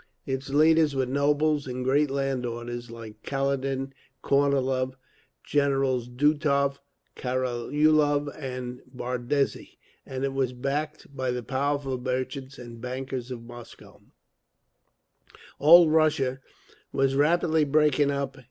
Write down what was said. Its leaders were nobles and great land owners, like Kaledin, Kornilov, Generals Dutov, Karaulov and Bardizhe, and it was backed by the powerful merchants and bankers of Moscow…. Old Russia was rapidly breaking up.